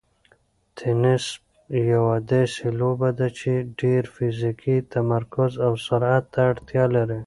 تېنس یوه داسې لوبه ده چې ډېر فزیکي تمرکز او سرعت ته اړتیا لري.